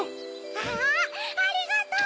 わぁありがとう！